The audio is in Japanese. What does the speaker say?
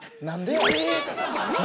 何で？